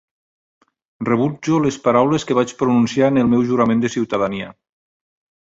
Rebutjo les paraules que vaig pronunciar en el meu jurament de ciutadania.